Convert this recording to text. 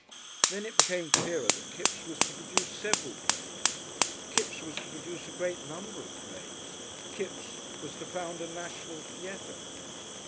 Then it became clearer that Kipps was to produce several plays. Kipps was to produce a great number of plays. Kipps was to found a National Theatre.